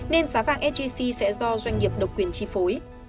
nên giá vàng sgc sẽ do doanh nghiệp độc quyền chi phối